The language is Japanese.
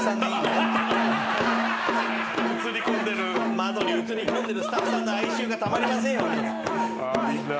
窓に映り込んでるスタッフさんの哀愁がたまりませんよ。